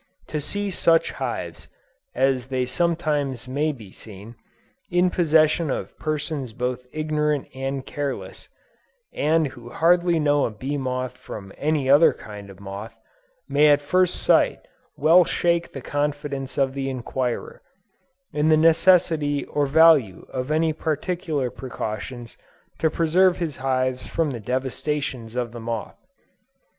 To see such hives, as they sometimes may be seen, in possession of persons both ignorant and careless, and who hardly know a bee moth from any other kind of moth, may at first sight well shake the confidence of the inquirer, in the necessity or value of any particular precautions to preserve his hives from the devastations of the moth.